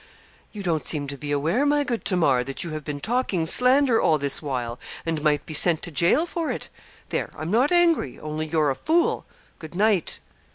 'You don't seem to be aware, my good Tamar, that you have been talking slander all this while, and might be sent to gaol for it. There, I'm not angry only you're a fool. Good night.'